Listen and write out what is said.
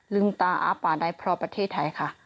ลืมตาอ้าป่าได้เพราะประเทศไทยค่ะ